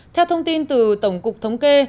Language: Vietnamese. theo thông tin từ tổng cục thống kê